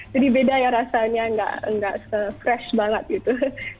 jadi beda ya rasanya nggak se fresh banget gitu